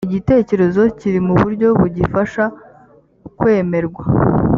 igitekerezo kiri mu buryo bugifasha kwemerwa